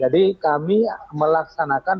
jadi kami melaksanakan